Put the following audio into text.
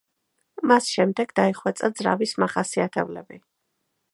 მას შემდეგ დაიხვეწა ძრავის მახასიათებლები.